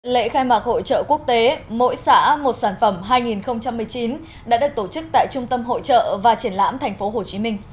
lễ khai mạc hội trợ quốc tế mỗi xã một sản phẩm hai nghìn một mươi chín đã được tổ chức tại trung tâm hội trợ và triển lãm tp hcm